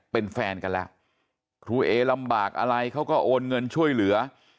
เป็นแฟนกันแล้วครูเอลำบากอะไรเขาก็โอนเงินช่วยเหลือ